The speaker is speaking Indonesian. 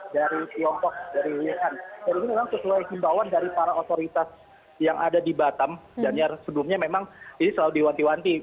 dan ini memang sesuai pembawaan dari para otoritas yang ada di batam dan yang sebelumnya memang ini selalu diwanti wanti